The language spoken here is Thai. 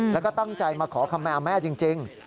แล้วก็ตั้งใจมาขอคำมาแม่จริง